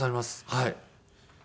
はい。